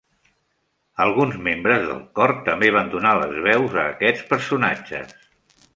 Alguns membres del cor també van donar les veus a aquests personatges.